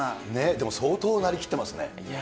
でも相当なりきってますね。